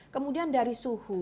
kemudian dari suhu